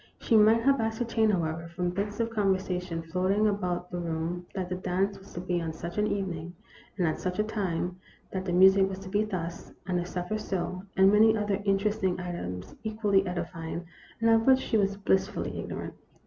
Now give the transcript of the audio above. She might have ascertained, however, from bits of con versation floating about the room, that the dance was to be on such an evening, and at such a time ; that the music was to be thus, and the supper so ; and many other interesting items equally edifying, and of which she was blissfully ignorant.